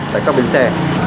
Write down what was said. tại các bến xe